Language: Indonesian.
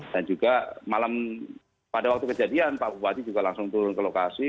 dan juga pada waktu kejadian pak bupati juga langsung turun ke lokasi